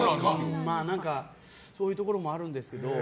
そういうところもあるんですけど。